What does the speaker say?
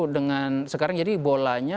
dengan sekarang jadi bolanya